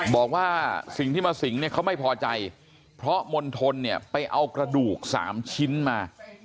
บอกว่าสิ่งที่มาสิงเนี่ยเขาไม่พอใจเพราะมณฑลเนี่ยไปเอากระดูก๓ชิ้นมา